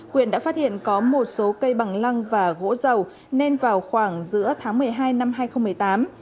quyền đã phát hiện có một số cây bằng lăng và gỗ dầu nên vào khoảng giữa tháng một mươi hai năm hai nghìn một mươi tám